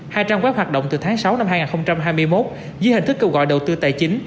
hai trang web hoạt động từ tháng sáu năm hai nghìn hai mươi một dưới hình thức kêu gọi đầu tư tài chính